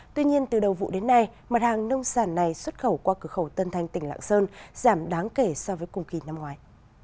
tuy nhiên từ đầu vụ đến nay mặt hàng nông sản này xuất khẩu qua cửa khẩu tân thanh tỉnh lạng sơn giảm đáng kể so với cùng kỳ năm ngoài